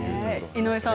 井上さん